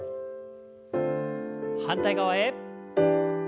反対側へ。